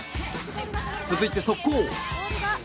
続いて速攻。